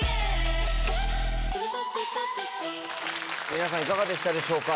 皆さんいかがでしたでしょうか？